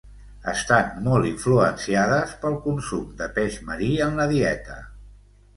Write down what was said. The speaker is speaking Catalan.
Estan molt influenciades pel consum de peix marí en la dieta.